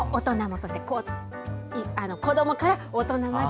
そして子どもから大人まで